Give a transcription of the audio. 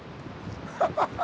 ハッハハハ！